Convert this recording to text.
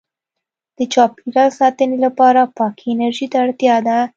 • د چاپېریال ساتنې لپاره پاکې انرژۍ ته اړتیا ده.